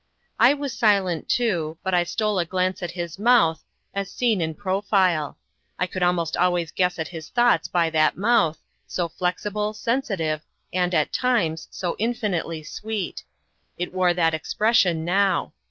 I was silent, too, but I stole a glance at his mouth, as seen in profile. I could almost always guess at his thoughts by that mouth, so flexible, sensitive, and, at times, so infinitely sweet. It wore that expression now.